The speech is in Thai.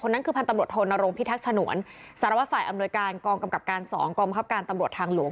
นั้นคือพันตำรวจโทนรงพิทักษ์ฉนวนสารวัตรฝ่ายอำนวยการกองกำกับการ๒กองบังคับการตำรวจทางหลวง